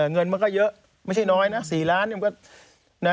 เงินมันก็เยอะไม่ใช่น้อยนะ๔ล้าน